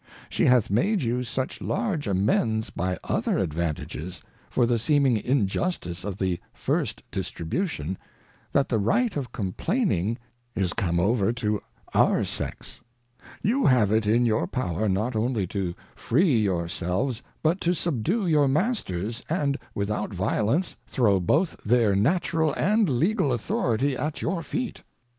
She hath made you such large Amends by other Advantages, for the seeming Injustice of the first Distribution, that the Right of Complain ing is come over to our Sex. You have it in your power not only to free your selves, but to subdue your Masters, and without violence throw both their Natural and Legal Authority at your Feet.